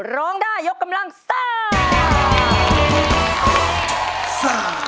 ร้องได้ยกกำลังซ่า